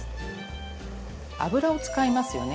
油を使いますよね